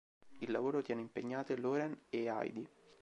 Il lavoro tiene impegnate Lauren e Heidi.